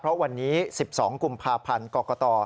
เพราะวันนี้๑๒กุมภาพันธ์กรกต